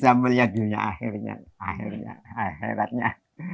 saya juga senang melihat dunia akhirnya akhirnya akhiratnya